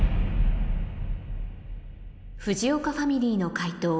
藤岡ファミリーの解答